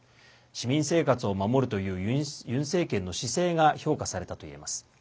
市民生活を守るというユン政権の姿勢が評価されたといえます。